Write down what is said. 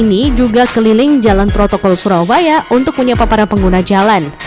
dan ini juga keliling jalan protokol surabaya untuk menyapa para pengguna jalan